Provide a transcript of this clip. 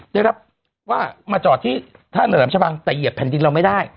ได้รับว่ามาจอดที่ท่าเลิมชะบังแต่เหยียบแผ่นดินเราไม่ได้